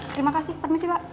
terima kasih permisi pak